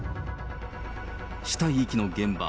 死体遺棄の現場。